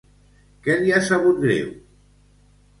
Què li ha sabut greu?